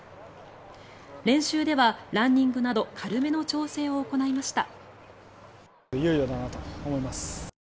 練習ではランニングなど軽めの調整を行いました。